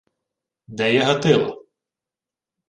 — Де є Гатило?